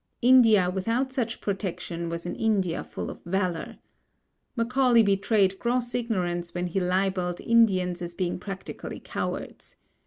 India without such protection was an India full of valour. Macaulay betrayed gross ignorance when he libelled Indians as being practically cowards.